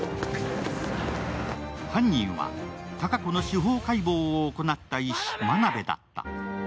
犯人は、隆子の司法解剖を行った医師・眞鍋だった。